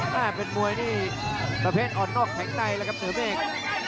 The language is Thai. น่าเป็นมวยนี่ประเภทอ่อนนอกแข็งในนะครับเหนือเมฆ